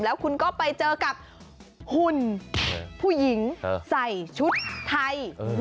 แล้วคุณก็ไปเจอกับหุ่นผู้หญิงใส่ชุดไทย